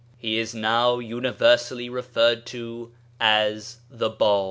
He is now imiversally referred to as "the Bab."